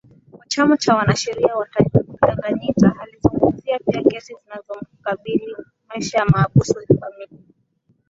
wa Chama cha Wanasheria wa Tanganyika alizungumzia pia kesi zinazomkabili maisha ya mahabusu familia